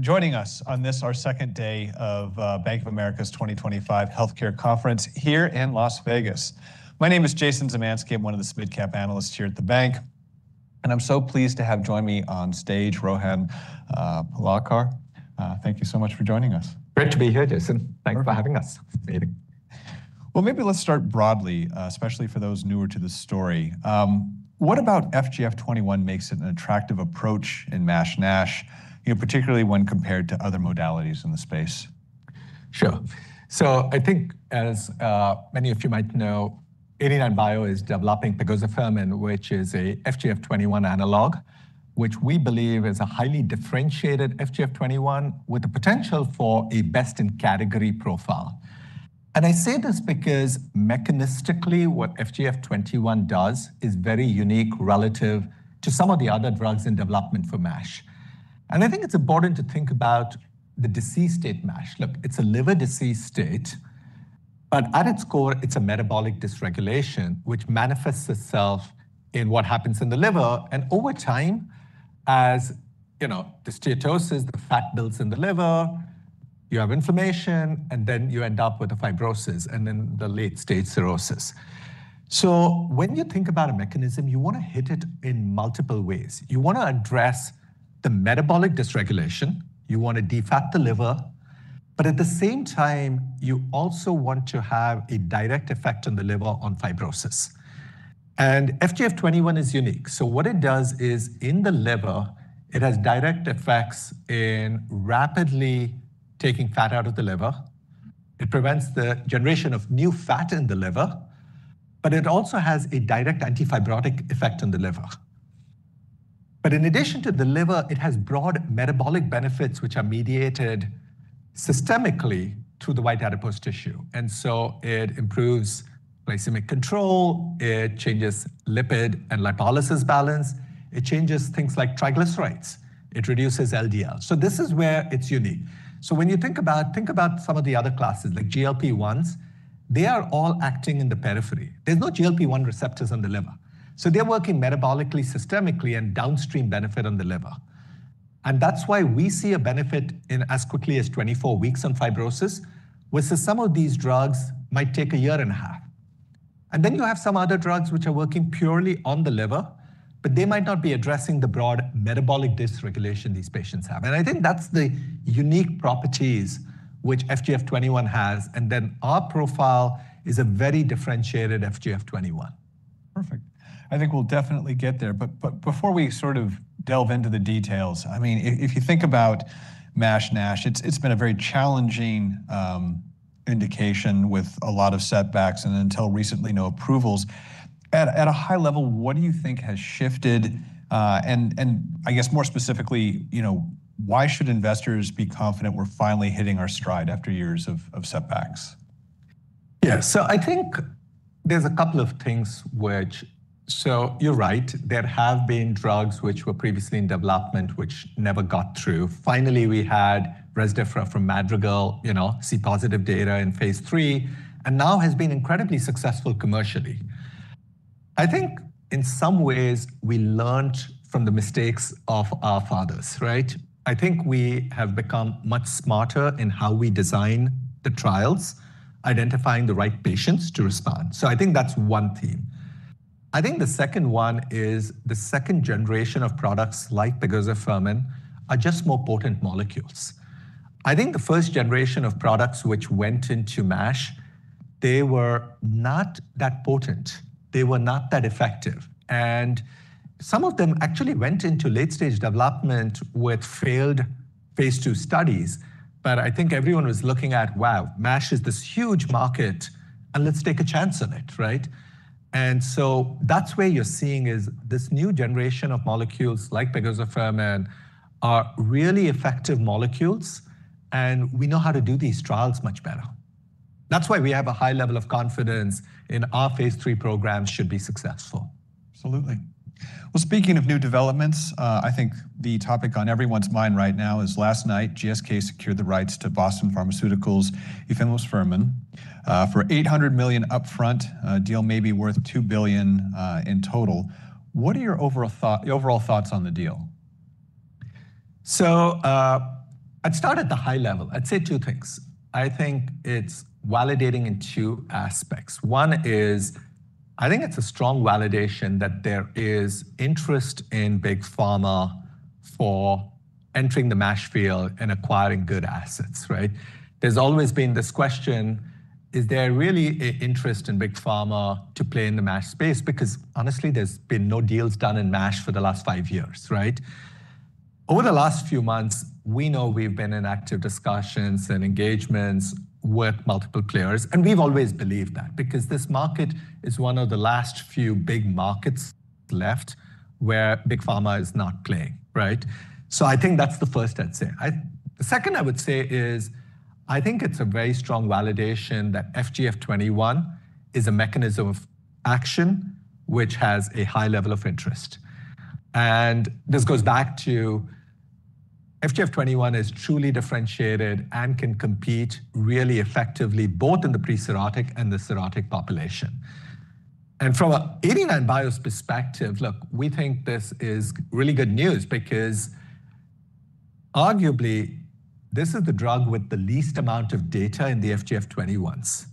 Joining us on this, our second day of Bank of America's 2025 Healthcare Conference here in Las Vegas. My name is Jason Zamanski, I'm one of the mid-cap analysts here at the bank, and I'm so pleased to have joining me on stage, Rohan Palekar. Thank you so much for joining us. Great to be here, Jason. Thanks for having us. Maybe let's start broadly, especially for those newer to the story. What about FGF21 makes it an attractive approach in MASH NASH, particularly when compared to other modalities in the space? Sure. I think, as many of you might know, 89bio is developing pegozafermin, which is an FGF21 analog, which we believe is a highly differentiated FGF21 with the potential for a best-in-category profile. I say this because mechanistically, what FGF21 does is very unique relative to some of the other drugs in development for MASH. I think it's important to think about the disease state MASH. Look, it's a liver disease state, but at its core, it's a metabolic dysregulation, which manifests itself in what happens in the liver. Over time, as the steatosis, the fat builds in the liver, you have inflammation, and then you end up with fibrosis and then the late-stage cirrhosis. When you think about a mechanism, you want to hit it in multiple ways. You want to address the metabolic dysregulation, you want to defect the liver, but at the same time, you also want to have a direct effect on the liver on fibrosis. FGF21 is unique. What it does is, in the liver, it has direct effects in rapidly taking fat out of the liver. It prevents the generation of new fat in the liver, but it also has a direct anti-fibrotic effect on the liver. In addition to the liver, it has broad metabolic benefits, which are mediated systemically through the white adipose tissue. It improves glycemic control, it changes lipid and lipolysis balance, it changes things like triglycerides, it reduces LDL. This is where it's unique. When you think about some of the other classes, like GLP-1s, they are all acting in the periphery. There's no GLP-1 receptors in the liver. They're working metabolically, systemically, and downstream benefit on the liver. That's why we see a benefit in as quickly as 24 weeks on fibrosis, whereas some of these drugs might take a year and a half. You have some other drugs which are working purely on the liver, but they might not be addressing the broad metabolic dysregulation these patients have. I think that's the unique properties which FGF21 has. Our profile is a very differentiated FGF21. Perfect. I think we'll definitely get there. Before we sort of delve into the details, I mean, if you think about MASH NASH, it's been a very challenging indication with a lot of setbacks and until recently, no approvals. At a high level, what do you think has shifted? I guess more specifically, why should investors be confident we're finally hitting our stride after years of setbacks? Yeah, so I think there's a couple of things which, so you're right, there have been drugs which were previously in development, which never got through. Finally, we had resmetirom from Madrigal, see positive data in phase III, and now has been incredibly successful commercially. I think in some ways, we learned from the mistakes of our fathers, right? I think we have become much smarter in how we design the trials, identifying the right patients to respond. I think that's one theme. I think the second one is the second generation of products like pegozafermin are just more potent molecules. I think the first generation of products which went into MASH, they were not that potent. They were not that effective. And some of them actually went into late-stage development with failed phase II studies. I think everyone was looking at, wow, MASH is this huge market and let's take a chance on it, right? That's where you're seeing is this new generation of molecules like pegozafermin are really effective molecules, and we know how to do these trials much better. That's why we have a high level of confidence in our phase III programs should be successful. Absolutely. Speaking of new developments, I think the topic on everyone's mind right now is last night, GSK secured the rights to Boston Pharmaceuticals' efimosfermin for $800 million upfront, a deal maybe worth $2 billion in total. What are your overall thoughts on the deal? I'd start at the high level. I'd say two things. I think it's validating in two aspects. One is, I think it's a strong validation that there is interest in big pharma for entering the MASH field and acquiring good assets, right? There's always been this question, is there really an interest in big pharma to play in the MASH space? Because honestly, there's been no deals done in NASH for the last five years, right? Over the last few months, we know we've been in active discussions and engagements with multiple players, and we've always believed that because this market is one of the last few big markets left where big pharma is not playing, right? I think that's the first I'd say. The second I would say is, I think it's a very strong validation that FGF21 is a mechanism of action, which has a high level of interest. This goes back to FGF21 is truly differentiated and can compete really effectively both in the pre-cirrhotic and the cirrhotic population. From an 89bio perspective, look, we think this is really good news because arguably this is the drug with the least amount of data in the FGF21s.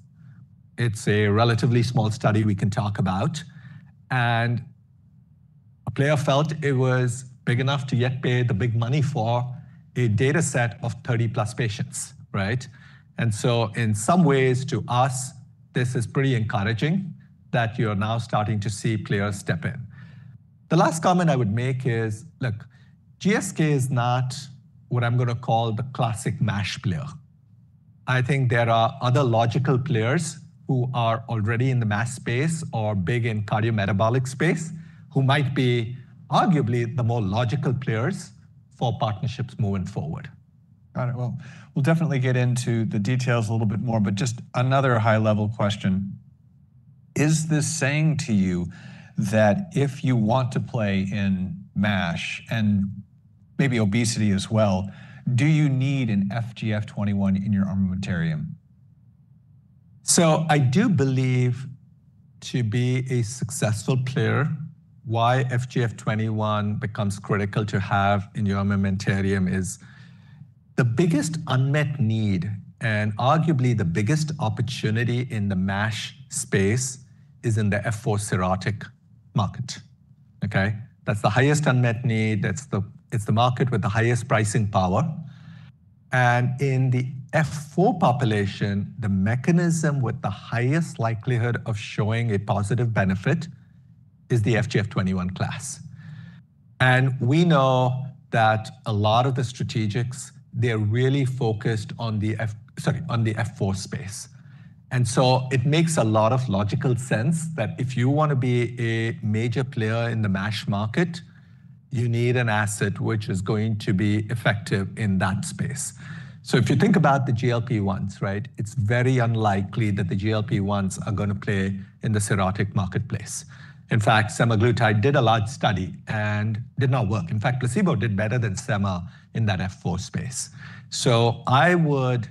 It's a relatively small study we can talk about, and a player felt it was big enough to yet pay the big money for a data set of 30+ patients, right? In some ways to us, this is pretty encouraging that you're now starting to see players step in. The last comment I would make is, look, GSK is not what I'm going to call the classic mass player. I think there are other logical players who are already in the MASH space or big in cardiometabolic space who might be arguably the more logical players for partnerships moving forward. Got it. We'll definitely get into the details a little bit more, but just another high-level question. Is this saying to you that if you want to play in MASH and maybe obesity as well, do you need an FGF21 in your armamentarium? I do believe to be a successful player, why FGF21 becomes critical to have in your armamentarium is the biggest unmet need and arguably the biggest opportunity in the MASH space is in the F4 cirrhotic market, okay? That is the highest unmet need. It is the market with the highest pricing power. In the F4 population, the mechanism with the highest likelihood of showing a positive benefit is the FGF21 class. We know that a lot of the strategics, they are really focused on the F4 space. It makes a lot of logical sense that if you want to be a major player in the MASH market, you need an asset which is going to be effective in that space. If you think about the GLP-1s, right, it is very unlikely that the GLP-1s are going to play in the cirrhotic marketplace. In fact, semaglutide did a large study and did not work. In fact, placebo did better than Sema in that F4 space. I would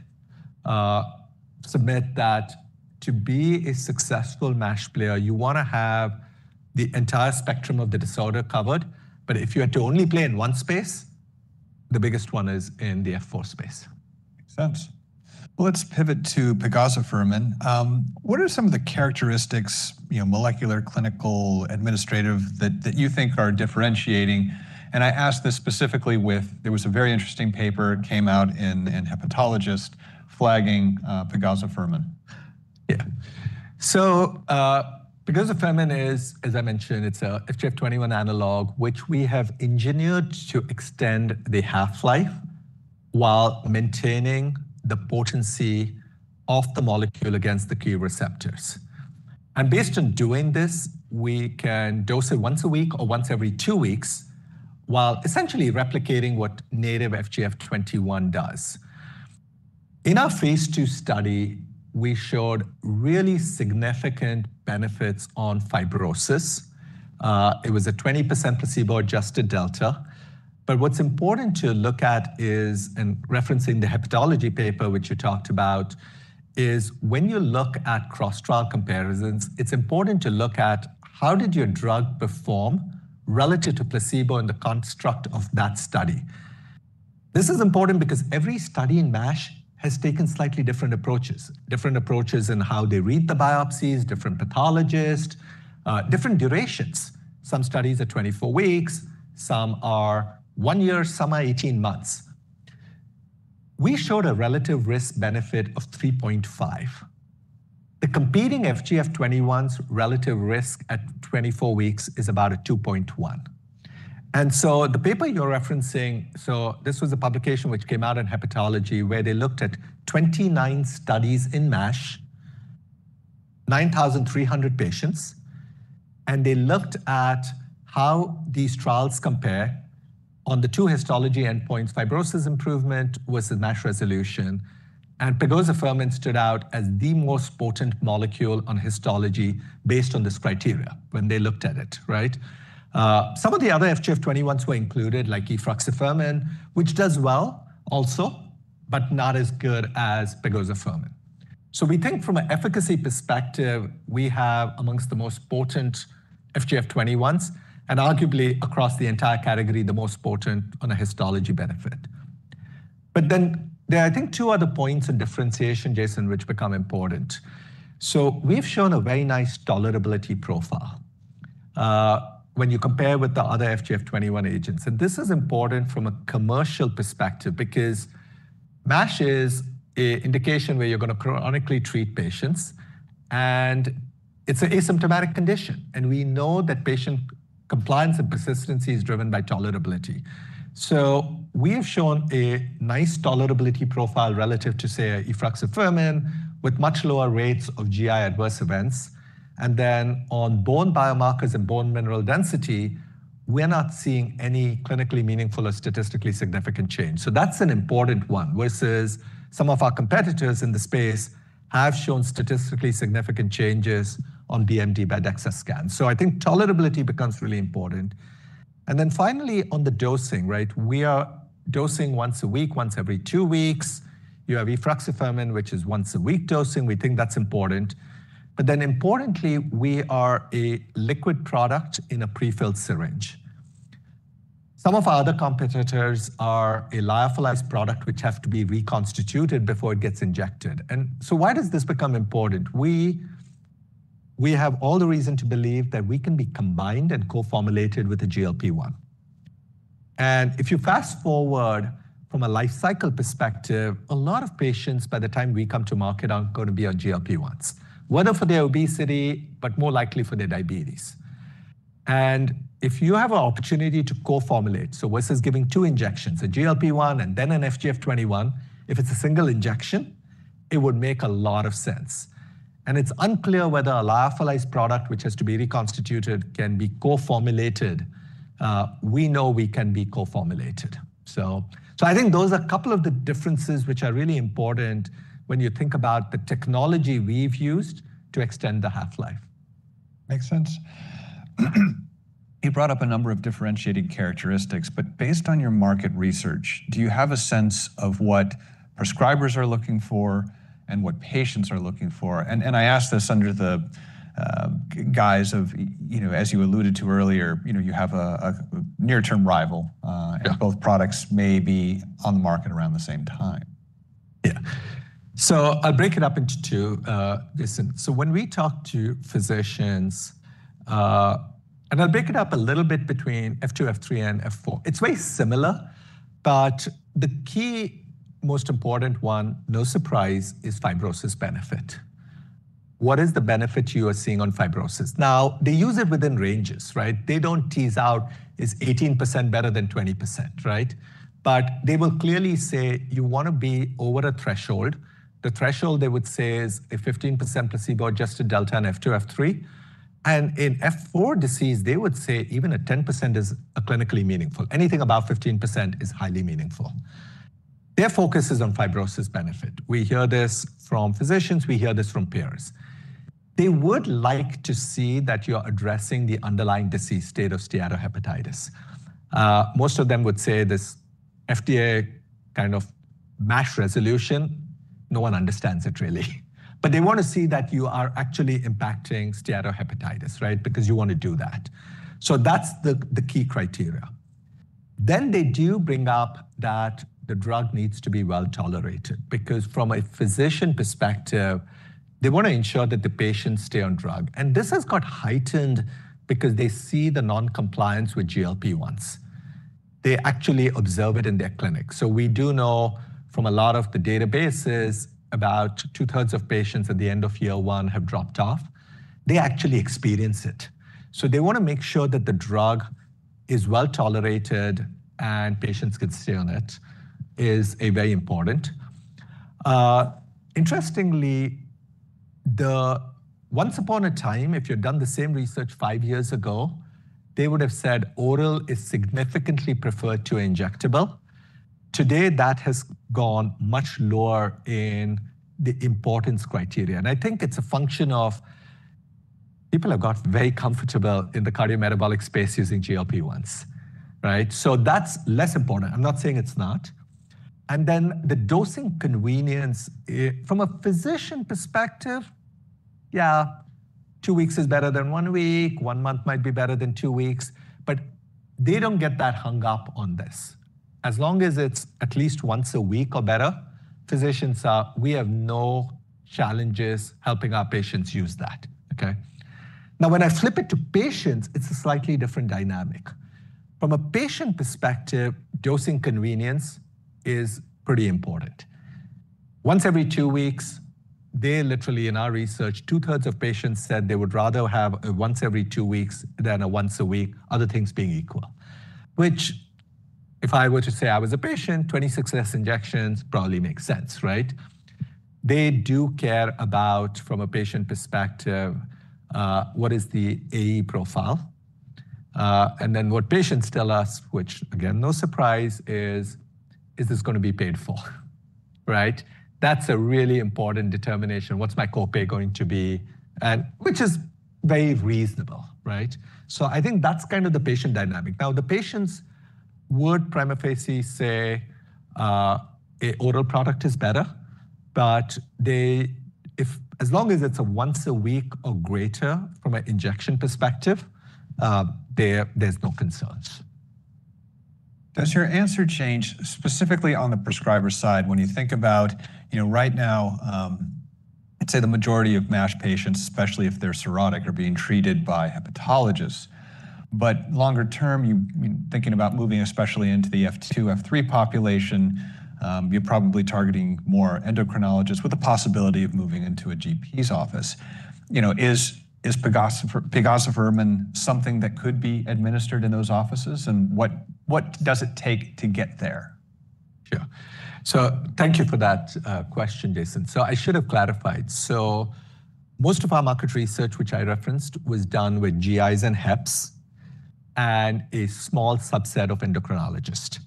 submit that to be a successful mass player, you want to have the entire spectrum of the disorder covered. If you had to only play in one space, the biggest one is in the F4 space. Makes sense. Let's pivot to pegozafermin. What are some of the characteristics, molecular, clinical, administrative, that you think are differentiating? I ask this specifically with, there was a very interesting paper that came out in Hepatologist flagging pegozafermin. Yeah. So pegozafermin is, as I mentioned, it's an FGF21 analog, which we have engineered to extend the half-life while maintaining the potency of the molecule against the key receptors. Based on doing this, we can dose it once a week or once every two weeks while essentially replicating what native FGF21 does. In our phase II study, we showed really significant benefits on fibrosis. It was a 20% placebo-adjusted delta. What's important to look at is, and referencing the hepatology paper which you talked about, when you look at cross-trial comparisons, it's important to look at how did your drug perform relative to placebo in the construct of that study. This is important because every study in MASH has taken slightly different approaches, different approaches in how they read the biopsies, different pathologists, different durations. Some studies are 24 weeks, some are one year, some are 18 months. We showed a relative risk benefit of 3.5. The competing FGF21's relative risk at 24 weeks is about a 2.1. The paper you're referencing, this was a publication which came out in Hepatology where they looked at 29 studies in MASH, 9,300 patients, and they looked at how these trials compare on the two histology endpoints, fibrosis improvement versus MASH resolution. Pegozafermin stood out as the most potent molecule on histology based on this criteria when they looked at it, right? Some of the other FGF21s were included, like efruxifermin, which does well also, but not as good as pegozafermin. We think from an efficacy perspective, we have amongst the most potent FGF21s and arguably across the entire category, the most potent on a histology benefit. But then there are I think two other points of differentiation, Jason, which become important. We have shown a very nice tolerability profile when you compare with the other FGF21 agents. This is important from a commercial perspective because MASH is an indication where you are going to chronically treat patients and it is an asymptomatic condition. We know that patient compliance and persistency is driven by tolerability. We have shown a nice tolerability profile relative to, say, efruxifermin with much lower rates of GI adverse events. On bone biomarkers and bone mineral density, we are not seeing any clinically meaningful or statistically significant change. That is an important one versus some of our competitors in the space who have shown statistically significant changes on BMD by DEXA scans. I think tolerability becomes really important. Finally, on the dosing, right? We are dosing once a week, once every two weeks. You have efruxifermin, which is once a week dosing. We think that's important. Importantly, we are a liquid product in a pre-filled syringe. Some of our other competitors are a lyophilized product, which have to be reconstituted before it gets injected. Why does this become important? We have all the reason to believe that we can be combined and co-formulated with a GLP-1. If you fast forward from a life cycle perspective, a lot of patients by the time we come to market aren't going to be on GLP-1s, whether for their obesity, but more likely for their diabetes. If you have an opportunity to co-formulate, so versus giving two injections, a GLP-1 and then an FGF21, if it's a single injection, it would make a lot of sense. It is unclear whether a lyophilized product, which has to be reconstituted, can be co-formulated. We know we can be co-formulated. I think those are a couple of the differences which are really important when you think about the technology we have used to extend the half-life. Makes sense. You brought up a number of differentiating characteristics, but based on your market research, do you have a sense of what prescribers are looking for and what patients are looking for? I ask this under the guise of, as you alluded to earlier, you have a near-term rival and both products may be on the market around the same time. Yeah. I'll break it up into two. When we talk to physicians, and I'll break it up a little bit between F2, F3, and F4, it's very similar, but the key most important one, no surprise, is fibrosis benefit. What is the benefit you are seeing on fibrosis? They use it within ranges, right? They do not tease out is 18% better than 20%, right? They will clearly say you want to be over a threshold. The threshold they would say is a 15% placebo-adjusted delta in F2, F3. In F4 disease, they would say even a 10% is clinically meaningful. Anything above 15% is highly meaningful. Their focus is on fibrosis benefit. We hear this from physicians. We hear this from peers. They would like to see that you are addressing the underlying disease state of steatohepatitis. Most of them would say this FDA kind of MASH resolution, no one understands it really. They want to see that you are actually impacting steatohepatitis, right? Because you want to do that. That is the key criteria. They do bring up that the drug needs to be well tolerated because from a physician perspective, they want to ensure that the patients stay on drug. This has got heightened because they see the non-compliance with GLP-1s. They actually observe it in their clinic. We do know from a lot of the databases about 2/3 of patients at the end of year one have dropped off. They actually experience it. They want to make sure that the drug is well tolerated and patients can stay on it is very important. Interestingly, once upon a time, if you had done the same research five years ago, they would have said oral is significantly preferred to injectable. Today, that has gone much lower in the importance criteria. I think it is a function of people have got very comfortable in the cardiometabolic space using GLP-1s, right? That is less important. I am not saying it is not. The dosing convenience from a physician perspective, yeah, two weeks is better than one week. One month might be better than two weeks, but they do not get that hung up on this. As long as it is at least once a week or better, physicians are, we have no challenges helping our patients use that, okay? Now, when I flip it to patients, it is a slightly different dynamic. From a patient perspective, dosing convenience is pretty important. Once every two weeks, they literally in our research, 2/3 of patients said they would rather have a once every two weeks than a once a week, other things being equal, which if I were to say I was a patient, 26 less injections probably makes sense, right? They do care about from a patient perspective, what is the AE profile? And then what patients tell us, which again, no surprise is, is this going to be paid for, right? That's a really important determination. What's my co-pay going to be? And which is very reasonable, right? I think that's kind of the patient dynamic. Now, the patients would prima facie say an oral product is better, but as long as it's a once a week or greater from an injection perspective, there's no concerns. Does your answer change specifically on the prescriber side when you think about right now, I'd say the majority of MASH patients, especially if they're cirrhotic, are being treated by hepatologists. Longer term, thinking about moving especially into the F2, F3 population, you're probably targeting more endocrinologists with the possibility of moving into a GP's office. Is pegozafermin something that could be administered in those offices? What does it take to get there? Sure. Thank you for that question, Jason. I should have clarified. Most of our market research, which I referenced, was done with GIs and HEPs and a small subset of endocrinologists.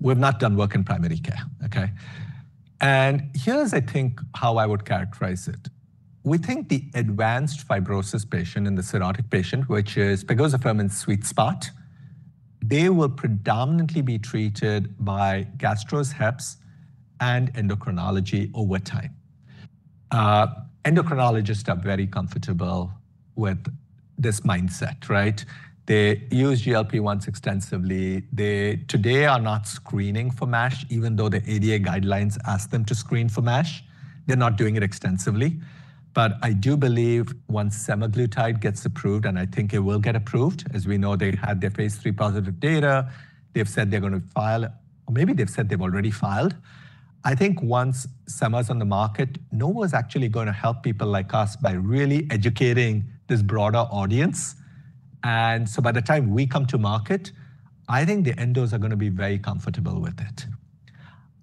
We've not done work in primary care, okay? Here's, I think, how I would characterize it. We think the advanced fibrosis patient and the cirrhotic patient, which is pegozafermin's sweet spot, they will predominantly be treated by gastros, HEPs, and endocrinology over time. Endocrinologists are very comfortable with this mindset, right? They use GLP-1s extensively. They today are not screening for MASH, even though the ADA guidelines ask them to screen for MASH. They're not doing it extensively. I do believe once semaglutide gets approved, and I think it will get approved, as we know they had their phase III positive data, they've said they're going to file, or maybe they've said they've already filed. I think once semaglutide is on the market, no one's actually going to help people like us by really educating this broader audience. By the time we come to market, I think the endos are going to be very comfortable with it.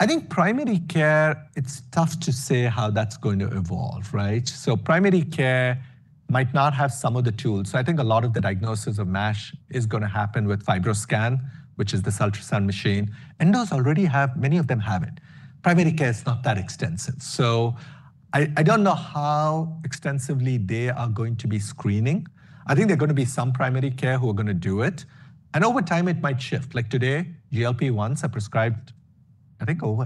I think primary care, it's tough to say how that's going to evolve, right? Primary care might not have some of the tools. I think a lot of the diagnosis of MASH is going to happen with FibroScan, which is this ultrasound machine. Endos already have, many of them have it. Primary care is not that extensive. I do not know how extensively they are going to be screening. I think there are going to be some primary care who are going to do it. Over time, it might shift. Like today, GLP-1s are prescribed, I think over,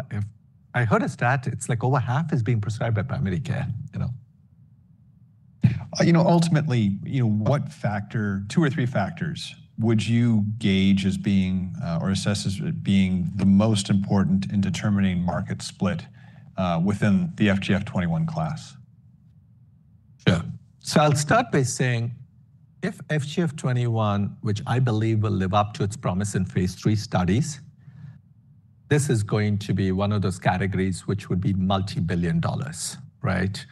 I heard a stat, it is like over half is being prescribed by primary care. Ultimately, what factor, two or three factors, would you gauge as being or assess as being the most important in determining market split within the FGF21 class? Sure. So I'll start by saying if FGF21, which I believe will live up to its promise in phase III studies, this is going to be one of those categories which would be multi-billion dollars, right?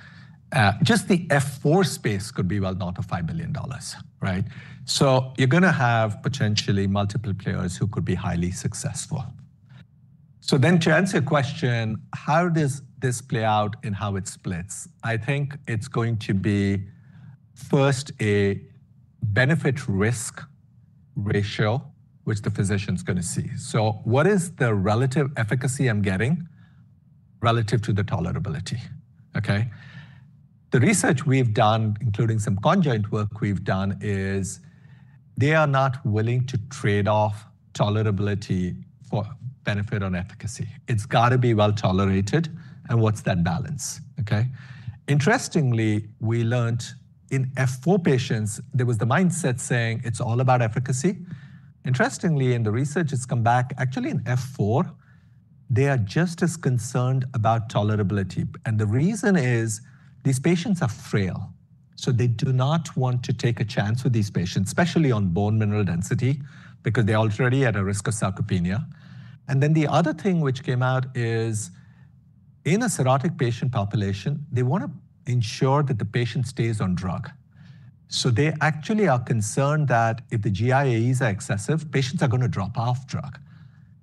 Just the F4 space could be well north of $5 billion, right? You're going to have potentially multiple players who could be highly successful. To answer your question, how does this play out and how it splits? I think it's going to be first a benefit-risk ratio, which the physician's going to see. What is the relative efficacy I'm getting relative to the tolerability, okay? The research we've done, including some conjoint work we've done, is they are not willing to trade off tolerability for benefit on efficacy. It's got to be well tolerated. What's that balance, okay? Interestingly, we learned in F4 patients, there was the mindset saying it's all about efficacy. Interestingly, in the research, it's come back actually in F4, they are just as concerned about tolerability. The reason is these patients are frail. They do not want to take a chance with these patients, especially on bone mineral density because they're already at a risk of sarcopenia. The other thing which came out is in a cirrhotic patient population, they want to ensure that the patient stays on drug. They actually are concerned that if the GI AEs are excessive, patients are going to drop off drug,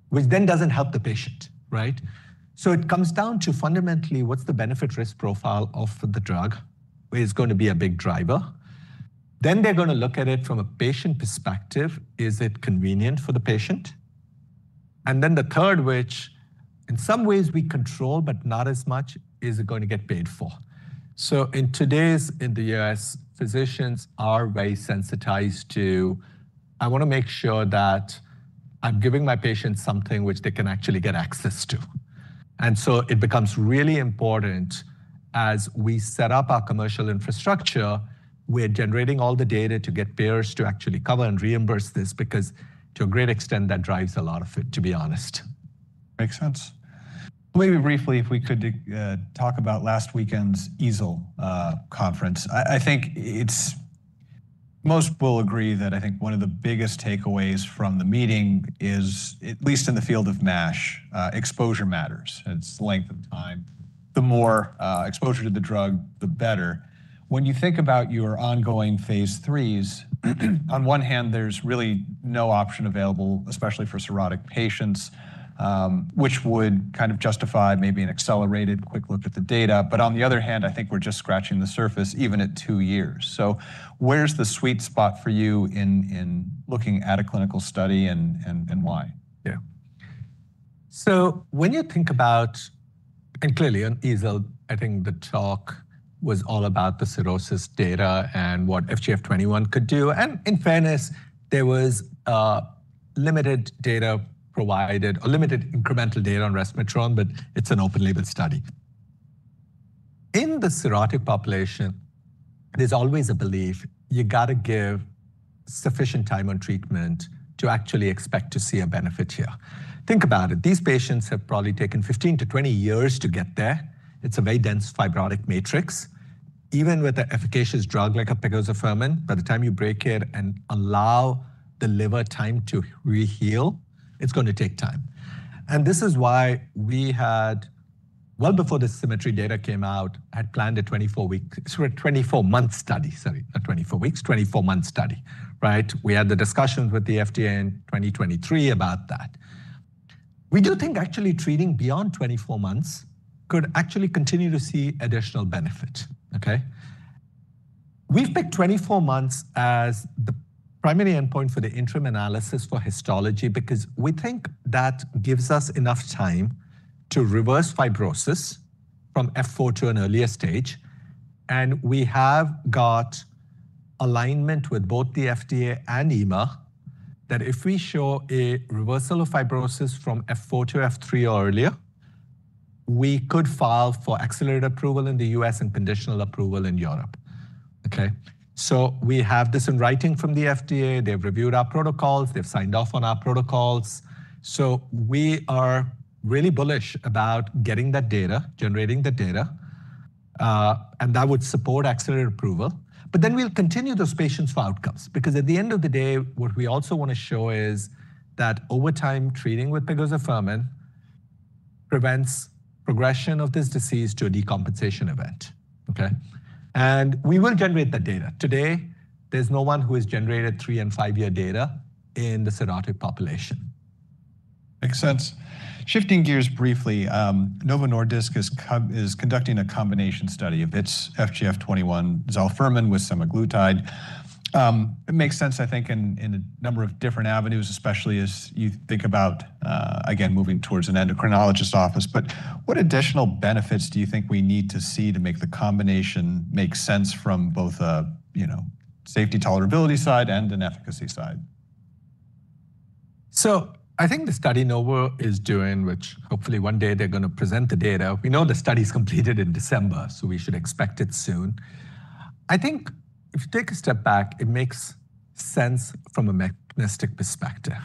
which then doesn't help the patient, right? It comes down to fundamentally what's the benefit-risk profile of the drug is going to be a big driver. They are going to look at it from a patient perspective. Is it convenient for the patient? The third, which in some ways we control, but not as much, is it going to get paid for? In today's U.S., physicians are very sensitized to, I want to make sure that I'm giving my patients something which they can actually get access to. It becomes really important as we set up our commercial infrastructure, we're generating all the data to get payers to actually cover and reimburse this because to a great extent, that drives a lot of it, to be honest. Makes sense. Maybe briefly, if we could talk about last weekend's EASL conference. I think most will agree that I think one of the biggest takeaways from the meeting is, at least in the field of MASH, exposure matters. It's the length of time. The more exposure to the drug, the better. When you think about your ongoing phase III, on one hand, there's really no option available, especially for cirrhotic patients, which would kind of justify maybe an accelerated quick look at the data. On the other hand, I think we're just scratching the surface even at two years. Where's the sweet spot for you in looking at a clinical study and why? Yeah. So when you think about, and clearly on EASL, I think the talk was all about the cirrhosis data and what FGF21 could do. In fairness, there was limited data provided or limited incremental data on resmetirom, but it is an open-label study. In the cirrhotic population, there is always a belief you got to give sufficient time on treatment to actually expect to see a benefit here. Think about it. These patients have probably taken 15 years-20 years to get there. It is a very dense fibrotic-matrix. Even with an efficacious drug like pegozafermin, by the time you break it and allow the liver time to re-heal, it is going to take time. This is why we had, well before the Symmetry data came out, planned a 24-month study, sorry, not 24 weeks, 24-month study, right? We had the discussions with the FDA in 2023 about that. We do think actually treating beyond 24 months could actually continue to see additional benefit, okay? We've picked 24 months as the primary endpoint for the interim analysis for histology because we think that gives us enough time to reverse fibrosis from F4 to an earlier stage. We have got alignment with both the FDA and EMA that if we show a reversal of fibrosis from F4 to F3 earlier, we could file for accelerated approval in the U.S. and conditional approval in Europe, okay? We have this in writing from the FDA. They've reviewed our protocols. They've signed off on our protocols. We are really bullish about getting that data, generating the data, and that would support accelerated approval. We will continue those patients for outcomes because at the end of the day, what we also want to show is that over-time treating with pegozafermin prevents progression of this disease to a decompensation event, okay? We will generate the data. Today, there is no one who has generated three and five-year data in the cirrhotic population. Makes sense. Shifting gears briefly, Novo Nordisk is conducting a combination study of its FGF21, zalfermin with semaglutide. It makes sense, I think, in a number of different avenues, especially as you think about, again, moving towards an endocrinologist's office. What additional benefits do you think we need to see to make the combination make sense from both a safety tolerability side and an efficacy side? I think the study Novo is doing, which hopefully one day they are going to present the data. We know the study is completed in December, so we should expect it soon. I think if you take a step back, it makes sense from a mechanistic perspective.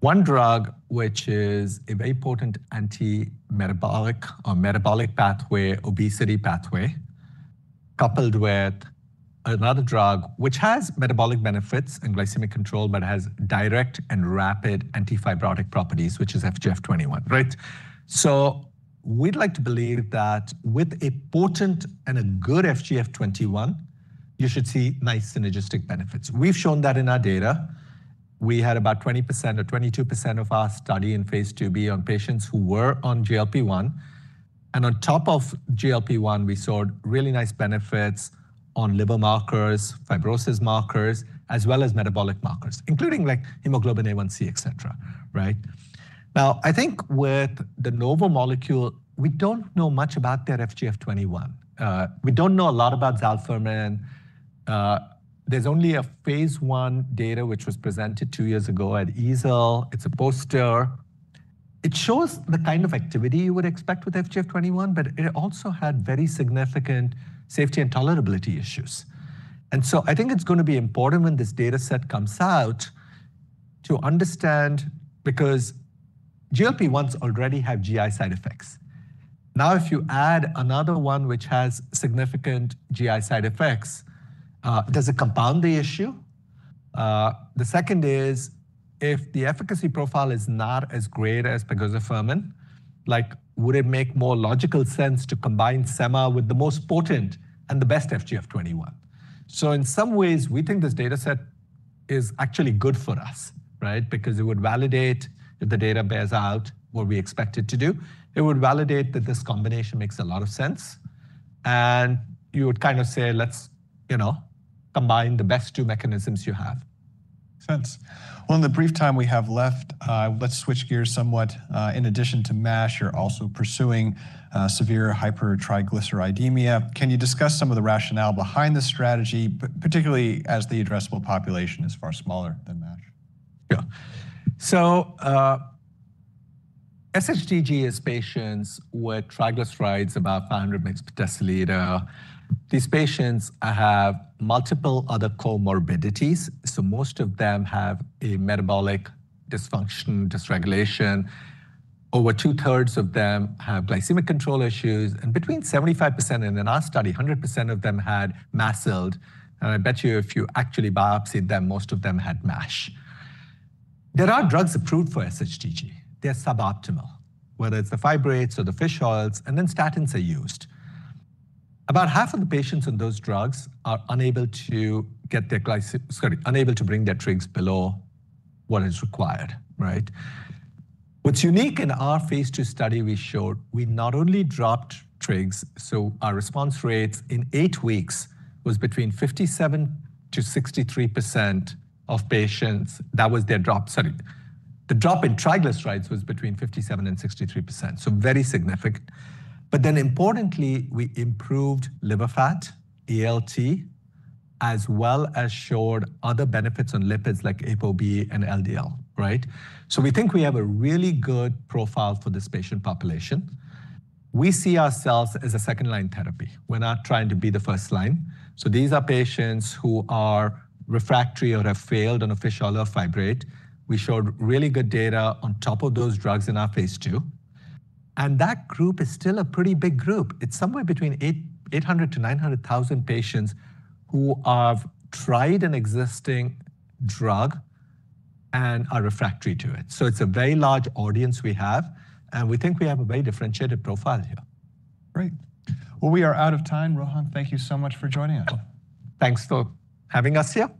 One drug, which is a very potent anti-metabolic or metabolic pathway, obesity pathway, coupled with another drug which has metabolic benefits and glycemic control, but has direct and rapid antifibrotic properties, which is FGF21, right? We would like to believe that with a potent and a good FGF21, you should see nice synergistic benefits. We have shown that in our data. We had about 20% or 22% of our study in phase II-B on patients who were on GLP-1. On top of GLP-1, we saw really nice benefits on liver markers, fibrosis markers, as well as metabolic markers, including like hemoglobin A1c, et cetera, right? Now, I think with the Novo molecule, we do not know much about their FGF21. We do not know a lot about zalfermin. There is only phase I data which was presented two years ago at EASL. It is a poster. It shows the kind of activity you would expect with FGF21, but it also had very significant safety and tolerability issues. I think it is going to be important when this dataset comes out to understand because GLP-1s already have GI side effects. Now, if you add another one which has significant GI side effects, does it compound the issue? The second is if the efficacy profile is not as great as pegozafermin, like would it make more logical sense to combine Sema with the most potent and the best FGF21? In some ways, we think this dataset is actually good for us, right? Because it would validate if the data bears out what we expect it to do. It would validate that this combination makes a lot of sense. You would kind of say, let's combine the best two mechanisms you have. Makes sense. In the brief time we have left, let's switch gears somewhat. In addition to MASH, you're also pursuing severe hypertriglyceridemia. Can you discuss some of the rationale behind this strategy, particularly as the addressable population is far smaller than MASH? Yeah. SHTG is patients with triglycerides above 500 mg/dL. These patients have multiple other co-morbidities. Most of them have a metabolic dysfunction, dysregulation. Over 2/3 of them have glycemic control issues. Between 75% and, in our study, 100% of them had mast celled. I bet you if you actually biopsied them, most of them had MASH. There are drugs approved for SHTG. They are sub-optimal, whether it is the fibrates or the fish oils, and then statins are used. About half of the patients on those drugs are unable to get their glycemic, sorry, unable to bring their trigs below what is required, right? What is unique in our phase II study, we showed we not only dropped trigs, so our response rates in eight weeks was between 57%-63% of patients. That was their drop, sorry. The drop in triglycerides was between 57% and 63%, so very significant. Then importantly, we improved liver fat, ALT, as well as showed other benefits on lipids like ApoB and LDL, right? We think we have a really good profile for this patient population. We see ourselves as a second-line therapy. We're not trying to be the first line. These are patients who are refractory or have failed on a fish oil or fibrate. We showed really good data on top of those drugs in our phase II. That group is still a pretty big group. It's somewhere between 800,000-900,000 patients who have tried an existing drug and are refractory to it. It's a very large audience we have. We think we have a very differentiated profile here. Great. We are out of time. Rohan, thank you so much for joining us. Thanks for having us here.